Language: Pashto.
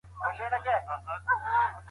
زه د استاد رشاد په سياسي افکارو باور لرم.